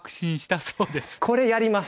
これやります。